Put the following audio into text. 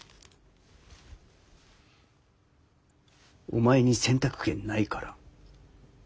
お前に選択権ないから。